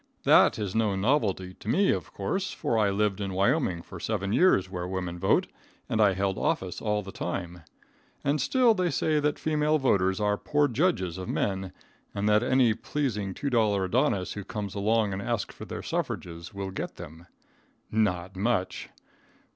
That is no novelty to me, of course, for I lived in Wyoming for seven years where women vote, and I held office all the time. And still they say that female voters are poor judges of men, and that any pleasing $2 adonis who comes along and asks for their suffrages will get them. Not much!!!